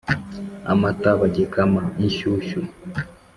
amata bagikama inshyushyu